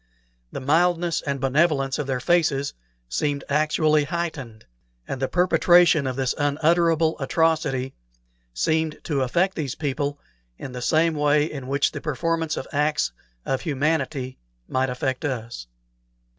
The mildness and benevolence of their faces seemed actually heightened, and the perpetration of this unutterable atrocity seemed to affect these people in the same way in which the performance of acts of humanity might affect us.